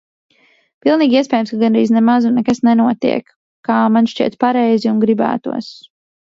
Pilnīgi iespējams, ka gandrīz nemaz un nekas nenotiek, kā man šķiet pareizi un gribētos.